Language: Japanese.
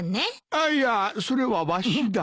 あっいやそれはわしだ。